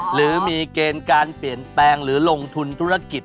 หรือมีเกณฑ์การเปลี่ยนแปลงหรือลงทุนธุรกิจ